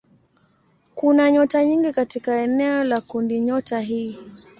Kuna nyota nyingi katika eneo la kundinyota hii.